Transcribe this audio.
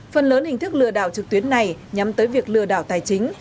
phần lớn hình thức lừa đảo trực tuyến này nhắm tới việc lừa đảo tài chính